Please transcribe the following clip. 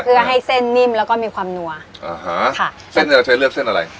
เพื่อให้เส้นนิ่มแล้วก็มีความนัวอ่าฮะค่ะเส้นเนี้ยเราใช้เลือกเส้นอะไร